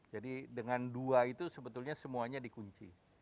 dengan dua itu sebetulnya semuanya dikunci